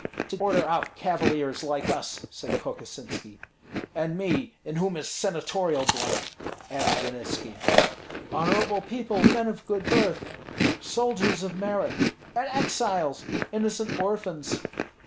"To order out cavaliers like us!" said Kokosinski. "And me, in whom is senatorial blood!" added Ranitski. "Honorable people, men of good birth!" "Soldiers of merit!" "And exiles!" "Innocent orphans!"